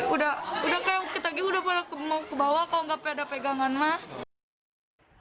udah kayak waktu tadi udah pada mau ke bawah kalau nggak ada pegangan mah